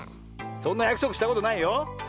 そんなやくそくしたことないよ。